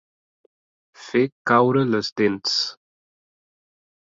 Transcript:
Fer caure les dents.